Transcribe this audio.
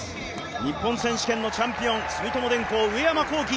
日本選手権のチャンピオン、住友電工の上山紘輝。